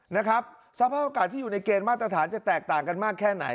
นะครับสภาพอากาศที่อยู่ในเกณฑ์มาตรฐานจะแตกต่างกันมากแค่ไหน